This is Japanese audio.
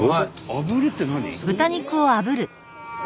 あぶるって何？